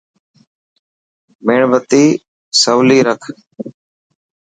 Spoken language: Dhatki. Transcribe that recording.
ميڻ بتي سولي رک.